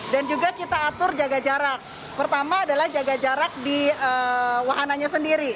dan juga kita atur jaga jarak pertama adalah jaga jarak di wahananya sendiri